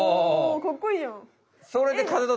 かっこいいじゃん。